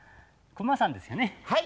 はい。